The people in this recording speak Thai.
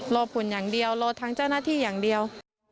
รอผลอย่างเดียวรอทางเจ้าหน้าที่อย่างเดียว